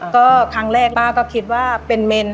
ก็ครั้งแรกป้าก็คิดว่าเป็นเมน